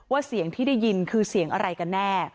เสียงที่ได้ยินคือเสียงอะไรกันแน่